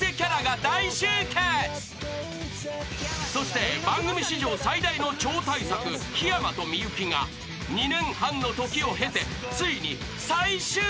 ［そして番組史上最大の超大作「ひやまとみゆき」が２年半の時を経てついに最終回を迎える］